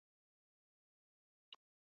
该碑现存平乡县丰州镇平安公园内。